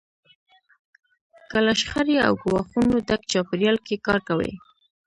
که له شخړې او ګواښونو ډک چاپېریال کې کار کوئ.